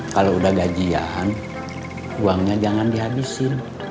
kalau udah gajian uangnya jangan dihabisin